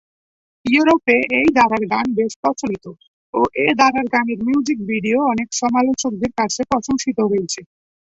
ইউরোপে এই ধারার গান বেশ পরিচিত ও এ ধারার গানের মিউজিক ভিডিও অনেক সমালোচকদের কাছে প্রশংসিত হয়েছে।